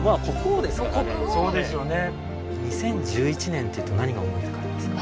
２０１１年っていうと何が思い浮かびますか？